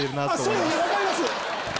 そういや分かります。